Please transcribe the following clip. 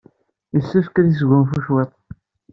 Yessefk ad sgunfun cwiṭ.